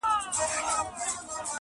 • داسي ولاړ سي لکه نه وي چي راغلی -